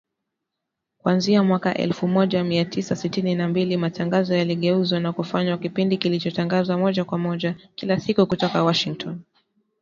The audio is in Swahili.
Kuanzia mwaka elfu moja mia tisa sitini na mbili , matangazo yaligeuzwa na kufanywa kipindi kilichotangazwa moja kwa moja, kila siku kutoka Washington